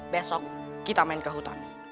besok kita main ke hutan